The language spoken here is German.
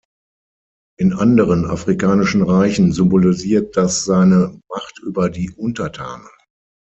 In anderen afrikanischen Reichen symbolisiert das seine Macht über die Untertanen.